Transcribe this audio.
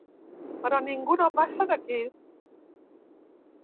Però ningú no passa d'aquí.